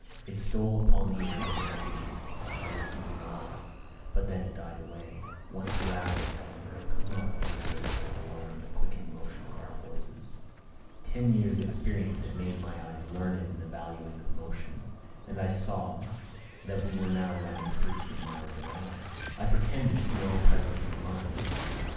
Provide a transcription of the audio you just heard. It stole upon the air for a moment; I listened in awe; but then it died away. Once roused, however, I could not but observe with alarm the quickened motion of our horses. Ten years' experience had made my eye learned in the valuing of motion; and I saw that we were now running thirteen miles an hour. I pretend to no presence of mind.